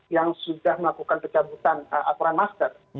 yang sudah melakukan pecah kejabutan aturan masker